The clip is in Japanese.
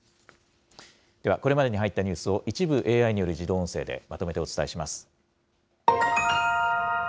では、これまでに入ったニュースを、一部ＡＩによる自動音声でまとめてお伝えします。